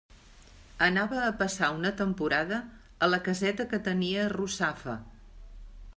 Anava a passar una temporada a la caseta que tenia a Russafa.